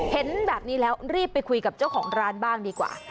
เห็นแบบนี้แล้วรีบไปคุยกับเจ้าของร้านบ้างดีกว่า